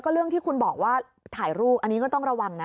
เรื่องที่คุณบอกว่าถ่ายรูปอันนี้ก็ต้องระวังนะ